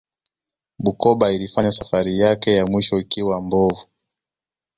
bukoba ilifanya safari yake ya mwisho ikiwa mbovu